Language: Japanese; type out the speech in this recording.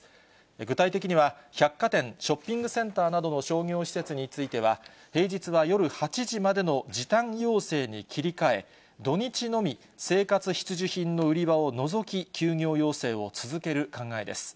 具体的には百貨店、ショッピングセンターなどの商業施設については、平日は夜８時までの時短要請に切り替え、土日のみ生活必需品の売り場を除き休業要請を続ける考えです。